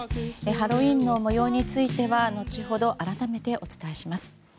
ハロウィーンの模様については後ほど改めてお伝えします。